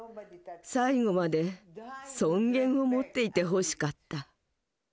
最後まで尊厳を持っていてほしかった。